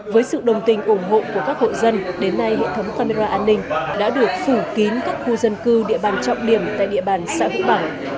với sự đồng tình ủng hộ của các hộ dân đến nay hệ thống camera an ninh đã được phủ kín các khu dân cư địa bàn trọng điểm tại địa bàn xã hữu bảng